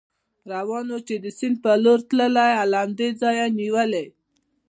روان و، چې د سیند په لور تلی، له همدې ځایه نېولې.